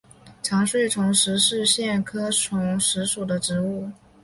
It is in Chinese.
长穗虫实是苋科虫实属的植物。